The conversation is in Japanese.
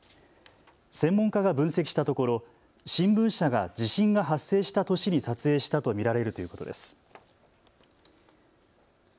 専門家が分析したところ新聞社が地震が発生した年に撮影したと見られるということです。